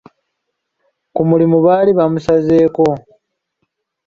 Ku mulimu baali bamusazeeko.